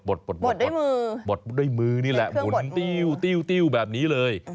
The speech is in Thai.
บดด้วยมือบดด้วยมือนี่แหละหมุนติ้วแบบนี้เลย